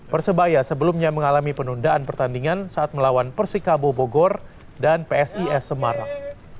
persebaya sebelumnya mengalami penundaan pertandingan saat melawan persikabo bogor dan psis semarang